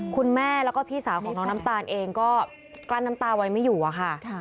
คุณแม่แล้วก็พี่สาวของน้องน้ำตาลเองก็กลั้นน้ำตาไว้ไม่อยู่อะค่ะ